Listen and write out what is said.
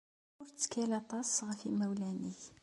Ur ttkal aṭas ɣef yimawlan-nnek.